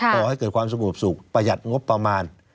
ขอให้เกิดความสงบสุขประหยัดงบประมาณ